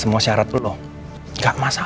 semua syarat allah gak masalah